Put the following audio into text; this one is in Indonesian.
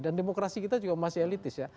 dan demokrasi kita juga masih elitis ya